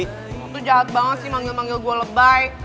itu jahat banget sih manggil manggil gue lebay